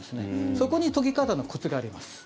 そこに研ぎ方のコツがあります。